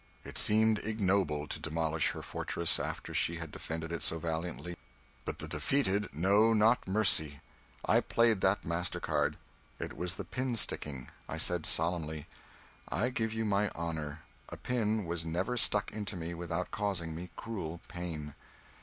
It seemed ignoble to demolish her fortress, after she had defended it so valiantly; but the defeated know not mercy. I played that matter card. It was the pin sticking. I said, solemnly "I give you my honor, a pin was never stuck into me without causing me cruel pain."